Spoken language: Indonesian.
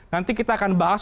nanti kita akan bahas